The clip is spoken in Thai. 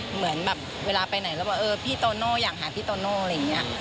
เหมือนแบบเวลาไปไหนแล้วบอกเออพี่โตโน่อยากหาพี่โตโน่อะไรอย่างนี้